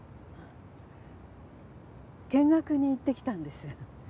見学に行ってきたんです。